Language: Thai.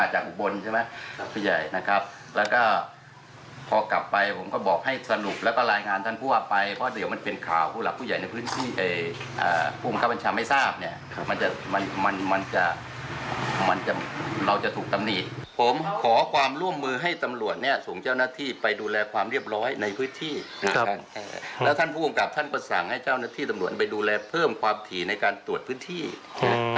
ให้สรุปแล้วก็รายงานท่านผู้อาบไปเพราะเดี๋ยวมันเป็นข่าวผู้หลักผู้ใหญ่ในพื้นที่ผู้กำกับวัญชาไม่ทราบเนี่ยมันจะเราจะถูกตำหนีผมขอความร่วมมือให้ตำรวจเนี่ยส่งเจ้าหน้าที่ไปดูแลความเรียบร้อยในพื้นที่แล้วท่านผู้กำกับท่านก็สั่งให้เจ้าหน้าที่ตำรวจไปดูแลเพิ่มความถี่ในการตรวจพื้นที่ท